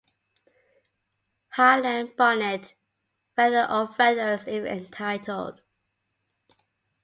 Highland Bonnet, feather or feathers if entitled.